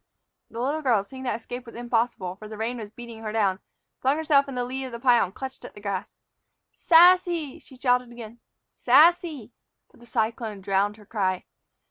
The little girl, seeing that escape was impossible, for the rain was beating her down, flung herself in the lee of the pile and clutched at the grass. "Sassy!" she shouted again; "Sassy!" But the cyclone drowned her cry.